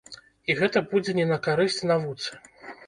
І гэта будзе не на карысць навуцы.